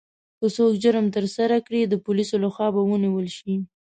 که څوک جرم ترسره کړي، د پولیسو لخوا به ونیول شي.